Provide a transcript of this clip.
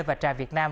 và trà việt nam